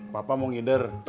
bapak mau ngider